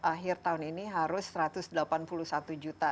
akhir tahun ini harus satu ratus delapan puluh satu juta